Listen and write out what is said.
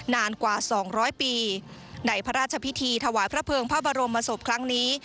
นานกว่า๒๐๐ปีในพระราชพิธีถวายพระเภิงพระบรมศพครั้งนี้